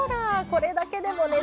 これだけでもね